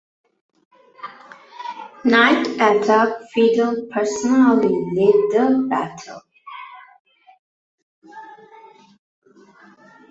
Night attack Fidel personally led the battle.